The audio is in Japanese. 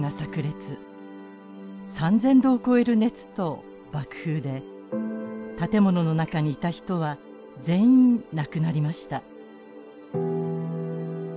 ３，０００度を超える熱と爆風で建物の中にいた人は全員亡くなりました。